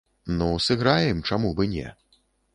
Ну, сыграем, чаму б і не.